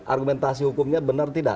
argumentasi hukumnya benar tidak